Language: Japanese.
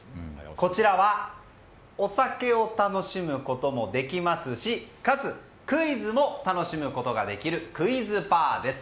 こちらはお酒を楽しむこともできますしかつクイズも楽しむことができるクイズバーです。